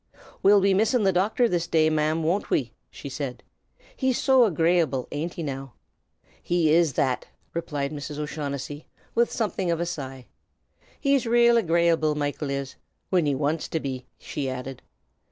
"We'll be missin' the docthor this day, ma'm, won't we?" she said. "He's so agrayable, ain't he, now?" "He is that!" replied Mrs. O'Shaughnessy, with something of a sigh. "He's rale agrayable, Michael is whin he wants to be," she added.